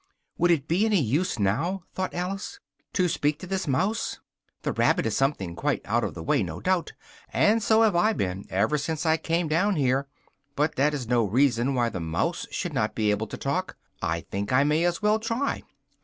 "Would it be any use, now," thought Alice, "to speak to this mouse? The rabbit is something quite out of the way, no doubt, and so have I been, ever since I came down here, but that is no reason why the mouse should not be able to talk. I think I may as well try."